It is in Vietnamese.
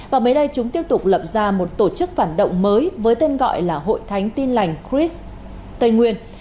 và mới đây chúng tiếp tục lập ra một tổ chức phản động mới với tên gọi là hội thánh tin lành cris tây nguyên